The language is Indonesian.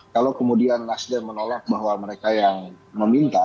kalau kemudian nasdem menolak bahwa mereka yang meminta